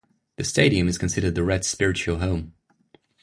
The stadium is considered the Reds' spiritual home.